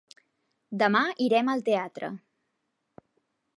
Demà irem al teatre.